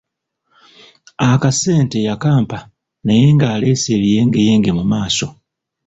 Akasente yakampa naye ng'aleese ebiyengeyenge mu maaso.